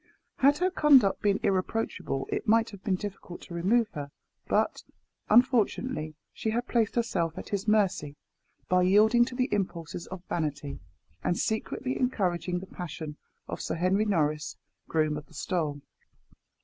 Had her conduct been irreproachable, it might have been difficult to remove her; but, unfortunately, she had placed herself at his mercy, by yielding to the impulses of vanity, and secretly encouraging the passion of Sir Henry Norris, groom of the stole.